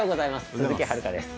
鈴木遥です。